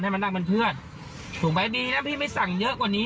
มานั่งเป็นเพื่อนถูกไหมดีนะพี่ไม่สั่งเยอะกว่านี้